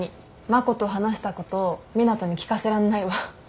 真子と話したこと湊斗に聞かせらんないわ。